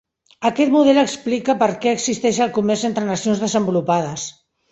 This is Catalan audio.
Aquest model explica perquè existeix el comerç entre nacions desenvolupades.